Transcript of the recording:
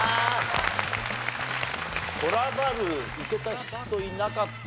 トラバるいけた人いなかった？